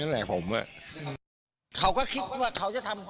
เขาก็คิดว่าเขาจะทำพ่อ